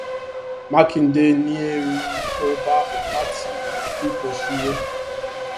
Mákindé ní ẹ̀rù kò bàhun látí fipò sílẹ̀.